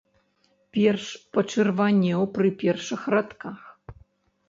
Перш пачырванеў пры першых радках.